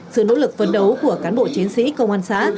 sự nỗ lực phấn đấu của cán bộ chiến sĩ công an xã